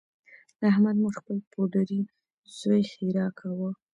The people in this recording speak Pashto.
د احمد مور خپل پوډري زوی ښیرأ کاوه.